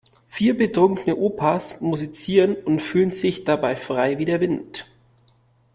Vier betrunkene Opas musizieren und fühlen sich dabei frei wie der Wind.